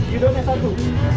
you donate satu